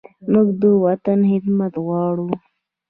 موږ د وطن خدمت غواړو.